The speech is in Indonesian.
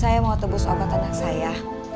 saya mau tebus obat anak saya